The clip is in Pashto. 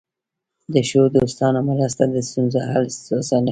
د ښو دوستانو مرسته د ستونزو حل اسانوي.